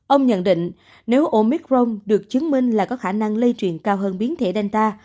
ông nhận định nếu omicron được chứng minh là có khả năng lây truyền cao hơn biến thể danta